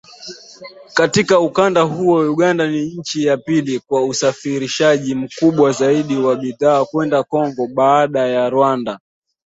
Katika ukanda huo, Uganda ni nchi ya pili kwa usafirishaji mkubwa zaidi wa bidhaa kwenda Kongo, baada ya Rwanda